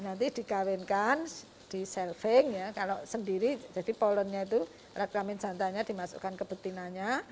nanti dikawinkan di selfing ya kalau sendiri jadi polonnya itu reklamin santanya dimasukkan ke betinanya